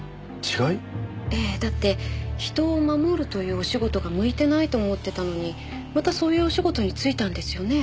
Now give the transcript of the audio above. ええだって人を守るというお仕事が向いてないと思ってたのにまたそういうお仕事についたんですよね？